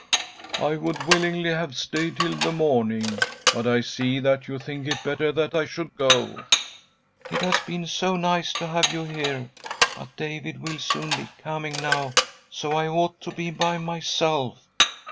" I would willingly have stayed till the morning, but I see that .you think it better that I should go.'' "It has been so nice to have you here, but David will soon be coming now, so I ought to be by myself."